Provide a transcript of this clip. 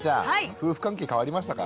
夫婦関係変わりましたか？